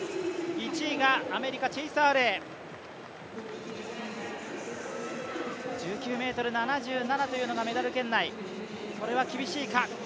１位がアメリカ、チェイス・アーレイ１９ｍ７７というのがメダル圏内、それは厳しいか。